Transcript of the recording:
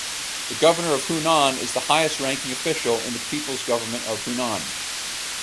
The Governor of Hunan is the highest-ranking official in the People's Government of Hunan.